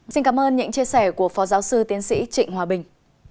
xin cảm ơn những chia sẻ của phó giáo sư tiến sĩ trịnh hòa bình